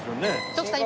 徳さん